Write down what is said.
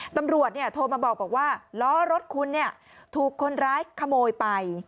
ตำรวจโทรมาบอกว่าล้อรถคุณถูกคนร้ายขโมยไป